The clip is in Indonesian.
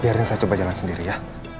biarnya saya coba jalan sendiri ya